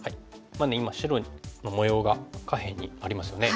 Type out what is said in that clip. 今白の模様が下辺にありますよね。